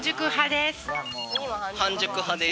半熟派です。